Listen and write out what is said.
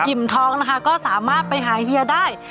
ท้องนะคะก็สามารถไปหาเฮียได้